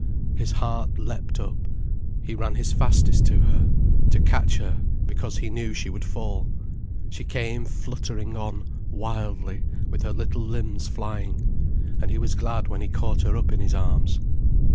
His heart leapt up, he ran his fastest to her, to catch her, because he knew she would fall. She came fluttering on, wildly, with her little limbs flying. And he was glad when he caught her up in his arms.